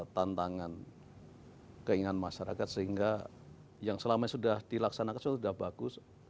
tantangan keinginan masyarakat sehingga yang selama ini sudah dilaksanakan sudah bagus